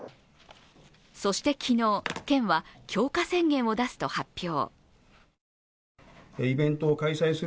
そして昨日、県は強化宣言を出すと発表。